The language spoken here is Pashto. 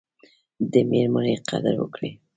د میرمني قدر وکړئ